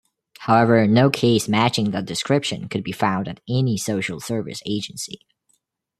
However, no case matching that description could be found at any social service agency.